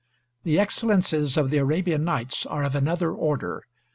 The excellences of the 'Arabian Nights' are of another order.